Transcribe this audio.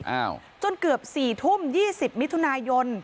อ้าวจนเกือบสี่ทุ่มยี่สิบมิถุนายน